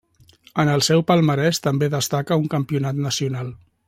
En el seu palmarès també destaca un campionat nacional.